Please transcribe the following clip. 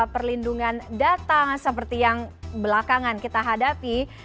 perlindungan data seperti yang belakangan kita hadapi